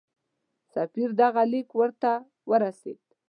سفیر دغه لیک ورته ورسېد.